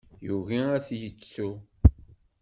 Yugi ad t-yettu.